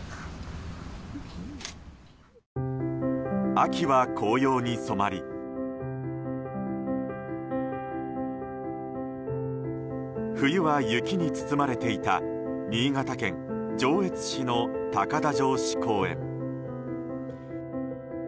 秋は紅葉に染まり冬は雪に包まれていた新潟県上越市の高田城址公園。